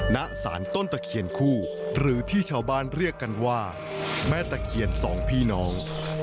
ณสารต้นตะเคียนคู่หรือที่ชาวบ้านเรียกกันว่าแม่ตะเคียนสองพี่น้อง